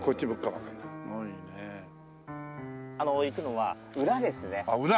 行くのは裏ですね。